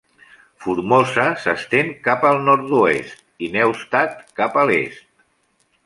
Formosa s'estén cap al nord-oest, i Neustadt cap a l'est.